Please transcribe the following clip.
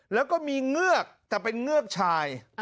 แล้วก็มีเงือกแต่เป็นเงือกชาย